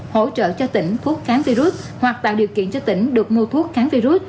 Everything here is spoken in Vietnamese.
hỗ trợ cho tỉnh thuốc kháng virus hoặc tạo điều kiện cho tỉnh được mua thuốc kháng virus